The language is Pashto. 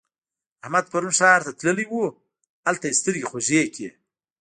احمد پرون ښار ته تللی وو؛ هلته يې سترګې خوږې کړې.